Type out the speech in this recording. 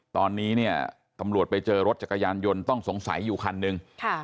ตอนนี้เนี่ยตำรวจไปเจอรถจักรยานยนต์ต้องสงสัยอยู่คันหนึ่ง